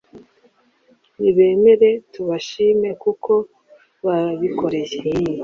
nibemere tubashime kuko barabikoreye